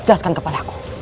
jelaskan kepada aku